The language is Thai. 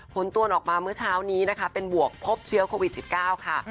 ผลตรวจออกมาเมื่อเช้านี้นะคะเป็นบวกพบเชื้อโควิด๑๙ค่ะ